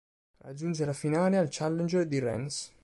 Raggiunge la finale al Challenger di Rennes.